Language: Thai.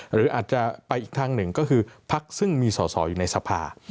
หรืออาจจะไปอีกทางหนึ่งก็คือพักซึ่งมีสอสออยู่ในสภา